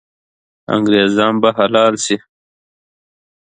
انګریزان به حلال سي.